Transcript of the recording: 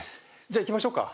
じゃあ行きましょうか。